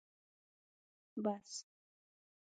🚍 بس